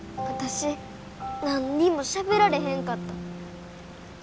私何にもしゃべられへんかった。